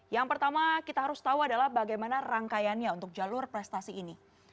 yang pertama kita harus tahu adalah bagaimana rangkaiannya untuk jalur prestasi ini